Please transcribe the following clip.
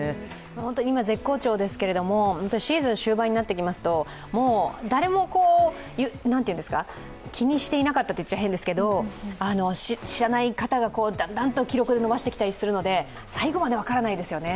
本当に今、絶好調ですけどシーズン終盤になってきますと誰も気にしていなかったと言っちゃ変ですけど知らない方が、だんだん記録伸ばしてきたりするので最後まで分からないですよね。